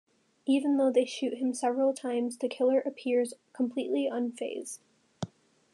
Even though they shoot him several times, the killer appears completely unfazed.